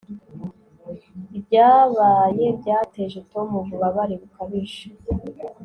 Ibyabaye byateje Tom ububabare bukabije